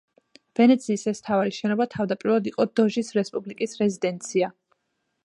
ვენეციის ეს მთავარი შენობა თავდაპირველად იყო დოჟის რესპუბლიკის რეზიდენცია.